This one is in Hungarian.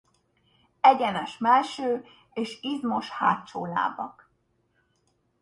Egyenes mellső és izmos hátsó lábak.